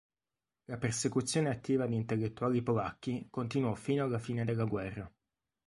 La persecuzione attiva di intellettuali polacchi continuò fino alla fine della guerra.